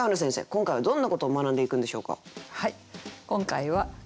今回はどんなことを学んでいくんでしょうか。